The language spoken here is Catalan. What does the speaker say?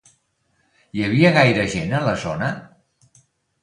Hi havia gaire gent a la zona?